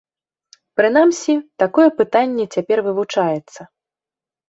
Прынамсі, такое пытанне цяпер вывучаецца.